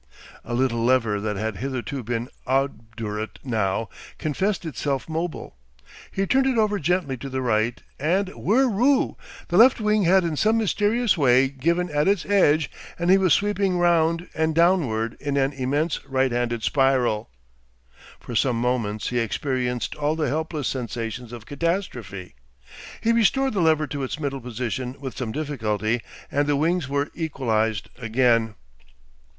A little lever that had hitherto been obdurate now confessed itself mobile. He turned it over gently to the right, and whiroo! the left wing had in some mysterious way given at its edge and he was sweeping round and downward in an immense right handed spiral. For some moments he experienced all the helpless sensations of catastrophe. He restored the lever to its middle position with some difficulty, and the wings were equalised again.